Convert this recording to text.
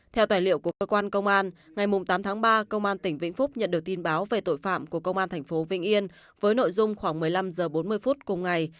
theo tài liệu của cơ quan công an ngày tám tháng ba công an tỉnh vĩnh phúc nhận được tin báo về tội phạm của công an tp vĩnh yên với nội dung khoảng một mươi năm h bốn mươi phút cùng ngày